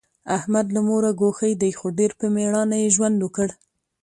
احمد له موره ګوښی دی، خو ډېر په مېړانه یې ژوند وکړ.